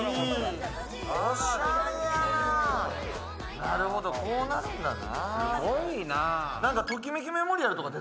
なるほどこうなるんだな。